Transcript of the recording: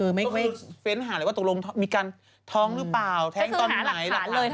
อย่างนี้เขาก็บอกว่าเข้าสู่กระบวนการทางกฎหมาย